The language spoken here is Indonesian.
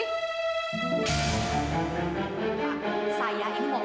pak saya ini mau laporkan